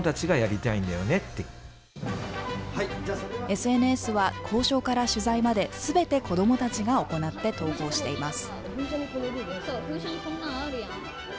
ＳＮＳは交渉から取材まで、すべて子どもたちが行って投稿しています。